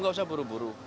nggak usah buru buru